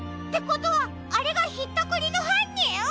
ってことはあれがひったくりのはんにん！？